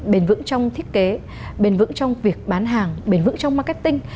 bền vững trong thiết kế bền vững trong việc bán hàng bền vững trong marketing